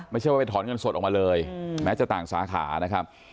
ไม่ใช่ว่าไปถอนเงินสดออกมาเลยแม้จะต่างสาขานะครับ